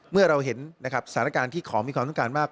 เมื่อเราเห็นนะครับสถานการณ์ที่ของมีความต้องการมาก